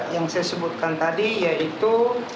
yang saya sebutkan tadi yaitu